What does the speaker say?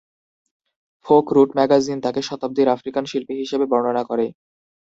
Folk root magazine তাকে শতাব্দীর African শিল্পী হিসেবে বর্ণনা করে।